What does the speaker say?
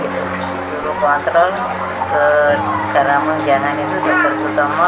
disuruh kontrol karena menjangan itu dokter sutama